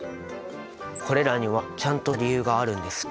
これらにはちゃんとした理由があるんですって。